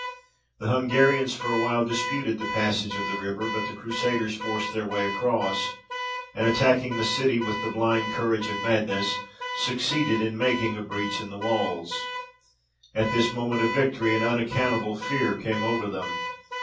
The Hungarians for a while disputed the passage of the river, but the Crusaders forced their way across, and attacking the city with the blind courage of madness, succeeded in making a breach in the walls. At this moment of victory an unaccountable fear came over them.